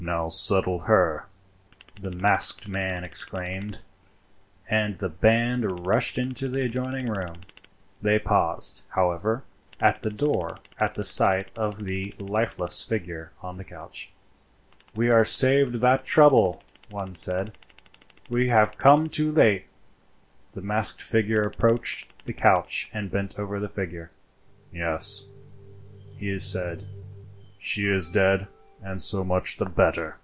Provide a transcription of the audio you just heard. "Now settle her!" the masked man exclaimed, and the band rushed into the adjoining room. They paused, however, at the door at the sight of the lifeless figure on the couch. "We are saved that trouble," one said; "we have come too late." The masked figure approached the couch and bent over the figure. "Yes," he said, "she is dead, and so much the better."